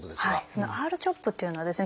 そのＲ−ＣＨＯＰというのはですね